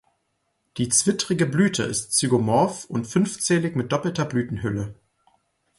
Die zwittrige Blüte ist zygomorph und fünfzählig mit doppelter Blütenhülle.